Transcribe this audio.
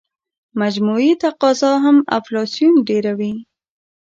مجموعي تقاضا هم انفلاسیون ډېروي.